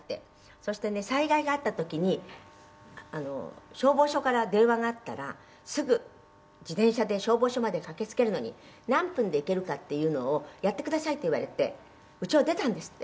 「そしてね災害があった時に消防署から電話があったら“すぐ自転車で消防署まで駆けつけるのに何分で行けるかっていうのをやってください”って言われて家を出たんですって」